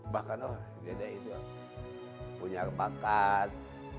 bahkan oh dedek itu punya kebakat